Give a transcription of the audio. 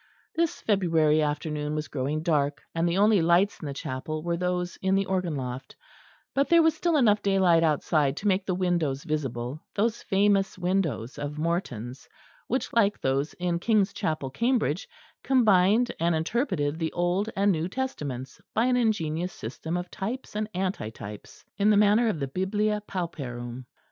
This February afternoon was growing dark, and the only lights in the chapel were those in the organ loft; but there was still enough daylight outside to make the windows visible those famous windows of Morton's, which, like those in King's Chapel, Cambridge, combined and interpreted the Old and New Testaments by an ingenious system of types and antitypes, in the manner of the "Biblia Pauperum."